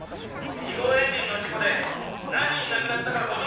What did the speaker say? ２号エンジンの事故で何人亡くなったかご存じですか？